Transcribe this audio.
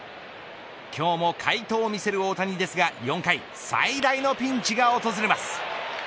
今日も快投を見せる大谷ですが４回最大のピンチが訪れます。